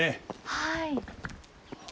はい。